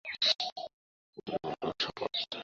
সর্বত্র তিনি বিপুলভাবে সম্বর্ধিত হন।